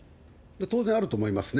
当然あると思いますね。